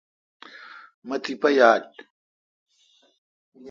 مہ تیپہ یال۔